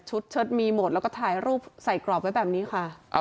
เชิดมีหมดแล้วก็ถ่ายรูปใส่กรอบไว้แบบนี้ค่ะ